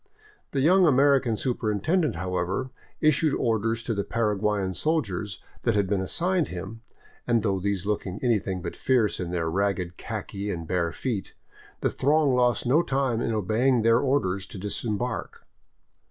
The young American superintendent, however, issued orders to the Paraguayan soldiers that had been assigned him, and though these looked anything but fierce in their ragged khaki and bare feet, the throng lost no time in obeying their orders to disembark.